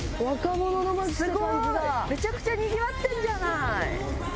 すごいめちゃくちゃにぎわってんじゃない！